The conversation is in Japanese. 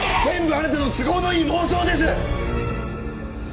全部あなたの都合のいい妄想です‼